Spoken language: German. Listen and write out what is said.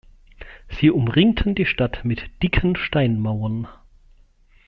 Sie umringten die Stadt mit dicken Steinmauern.